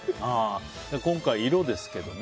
今回、色ですけどね。